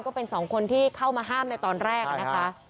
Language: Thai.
ก็เป็นสองคนที่เข้ามาห้ามในตอนแรกนะคะ